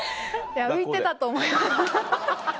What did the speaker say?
浮いてたと思います。